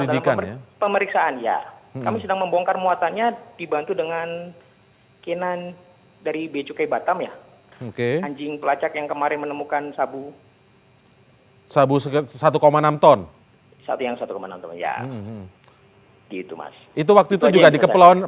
berita terkini mengenai cuaca ekstrem dua ribu dua puluh satu di jepang